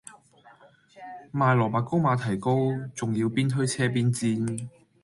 賣蘿蔔糕馬蹄糕仲要邊推車邊煎